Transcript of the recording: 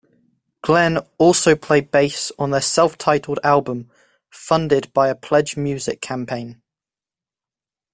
Glen also played bass on their self-titled album funded by a Pledge Music campaign.